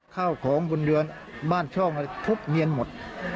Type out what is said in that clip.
ข้าวของบุญเดือนบ้านช่องครับทบเงียนหมด